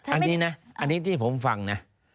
อันนี้นะอันนี้ที่ผมฟังนะ